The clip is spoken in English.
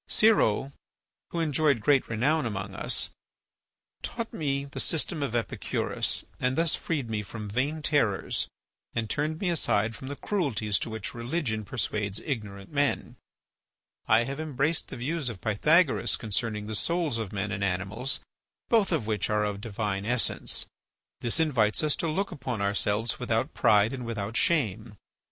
Siro, who enjoyed great renown among us, taught me the system of Epicurus and thus freed me from vain terrors and turned me aside from the cruelties to which religion persuades ignorant men. I have embraced the views of Pythagoras concerning the souls of men and animals, both of which are of divine essence; this invites us to look upon ourselves without pride and without shame.